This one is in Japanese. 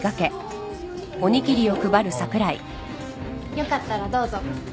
よかったらどうぞ。